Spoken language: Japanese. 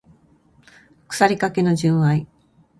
腐りかけの純愛